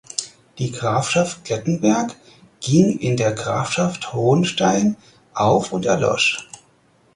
Die Grafschaft Klettenberg ging in der Grafschaft Hohnstein auf und erlosch.